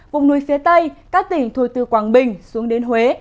vùng núi phía tây các tỉnh thuộc từ quảng bình xuống đến huế